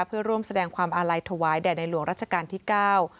เพื่อร่วมแสดงความอาลัยถวายแด่ในหลวงรัชกาลที่เก้า